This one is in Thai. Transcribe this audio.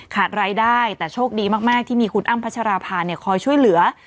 ขาดรายได้แต่โชคดีมากที่มีคุณอ้ำพัชราภาคอยช่วยเหลือ